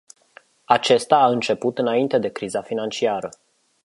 Acesta a început înainte de criza financiară.